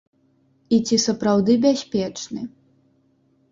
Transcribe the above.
І ці сапраўды бяспечны?